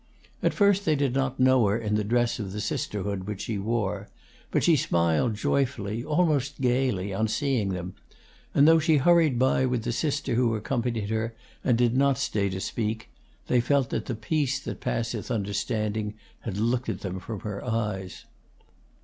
At first they did not know her in the dress of the sisterhood which she wore; but she smiled joyfully, almost gayly, on seeing them, and though she hurried by with the sister who accompanied her, and did not stay to speak, they felt that the peace that passeth understanding had looked at them from her eyes.